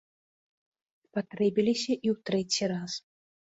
Спатрэбіліся і ў трэці раз.